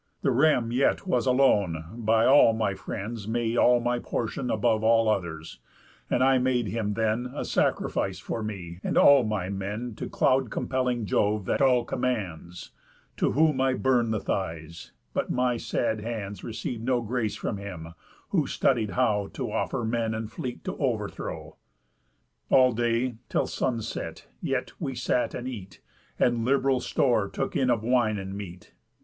The ram yet was alone By all my friends made all my portion Above all others; and I made him then A sacrifice for me and all my men To cloud compelling Jove that all commands, To whom I burn'd the thighs; but my sad hands Receiv'd no grace from him, who studied how To offer men and fleet to overthrow. All day, till sun set, yet, we sat and eat, And lib'ral store took in of wine and meat.